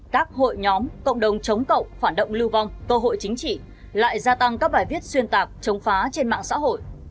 các hội nhóm cộng đồng chống cậu phản động lưu vong cơ hội chính trị lại gia tăng các bài viết xuyên tạc chống phá trên mạng xã hội